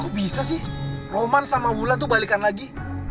kok bisa sih roman sama ulan tuh balikan lagi